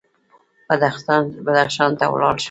بدخشان ته ولاړ شم.